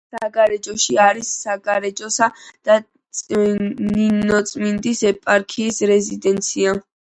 საგარეჯოში არის საგარეჯოსა და ნინოწმინდის ეპარქიის რეზიდენცია.